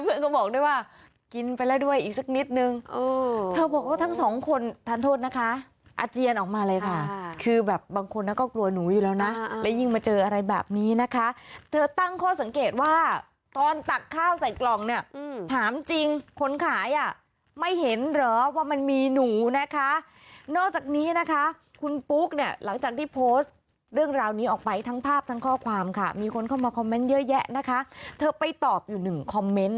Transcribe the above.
เธอบอกว่าทั้งสองคนทานโทษนะคะอาเจียนออกมาเลยค่ะคือแบบบางคนน่ะก็กลัวหนูอยู่แล้วนะแล้วยิ่งมาเจออะไรแบบนี้นะคะเธอตั้งข้อสังเกตว่าตอนตักข้าวใส่กล่องเนี้ยอืมถามจริงคนขายอ่ะไม่เห็นเหรอว่ามันมีหนูนะคะนอกจากนี้นะคะคุณปุ๊กเนี้ยหลังจากที่โพสต์เรื่องราวนี้ออกไปทั้งภาพทั้งข้อความค่ะมีคนเข้ามาคอมเ